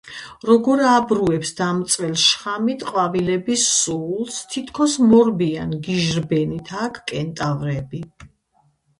როგორ აბრუებს დამწველ შხამით ყვავილების სულს? თითქო მორბიან გიჟირბენით აქ კენტავრები